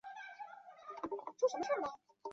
维利耶尔莱普雷。